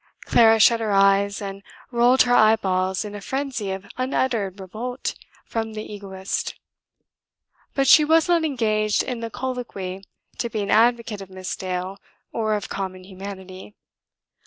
Clara shut her eyes and rolled her eyeballs in a frenzy of unuttered revolt from the Egoist. But she was not engaged in the colloquy to be an advocate of Miss Dale or of common humanity.